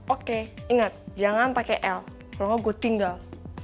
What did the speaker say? oke inget jangan pake l kalau engga gue tinggal